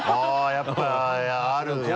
やっぱあるんだね。